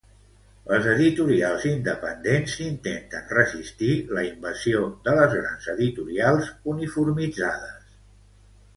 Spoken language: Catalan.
Les editorials independents intenten resistir la invasió de les grans editorials uniformitzades.